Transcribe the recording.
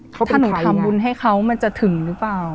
ถ้าหนูทำบุญให้เขามันจะถึงหรือเปล่า